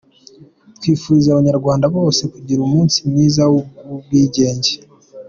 Twifurije abanyarwanda bose kugira umunsi mwiza w’ubwigenge!.